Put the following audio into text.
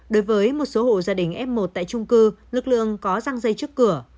đối với một số hộ gia đình f một tại trung cư lực lượng có răng dây trước cửa